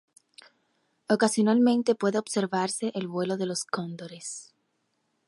Ocasionalmente puede observarse el vuelo de los cóndores.